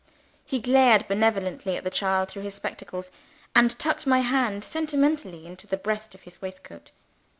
He glared benevolently at the child through his spectacles; and tucked my hand sentimentally into the breast of his waistcoat.